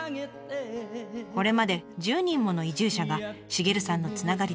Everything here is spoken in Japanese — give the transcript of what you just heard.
これまで１０人もの移住者がシゲルさんのつながりで集いました。